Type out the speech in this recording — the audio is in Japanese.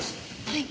はい。